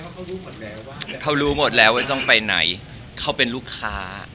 เขารู้หมดแล้วว่าเขารู้หมดแล้วว่าต้องไปไหนเขาเป็นลูกค้า